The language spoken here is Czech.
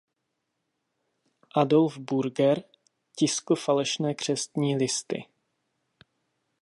Adolf Burger tiskl falešné křestní listy.